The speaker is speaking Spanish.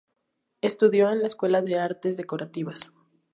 Estudió en la Escuela de Artes Decorativas.